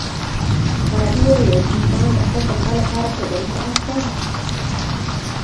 فارابي وويل چي انسان د خپل بقا لپاره ټولني ته اړتيا لري.